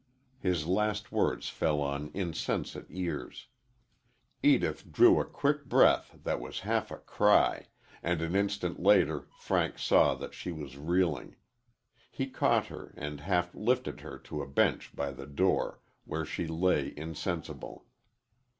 His last words fell on insensate ears. Edith drew a quick breath that was half a cry, and an instant later Frank saw that she was reeling. He caught her and half lifted her to a bench by the door, where she lay insensible.